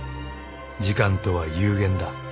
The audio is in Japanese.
［時間とは有限だ］